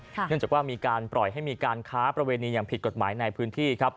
เนื่องจากว่ามีการปล่อยให้มีการค้าประเวณีอย่างผิดกฎหมายในพื้นที่ครับ